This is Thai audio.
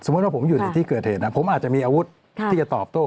ว่าผมอยู่ในที่เกิดเหตุนะผมอาจจะมีอาวุธที่จะตอบโต้